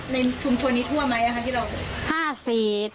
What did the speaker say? ในชุมชวนนี้ท่วมไหมค่ะที่เรา